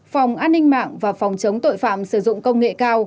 phòng an ninh mạng và phòng chống tội phạm sử dụng công nghệ cao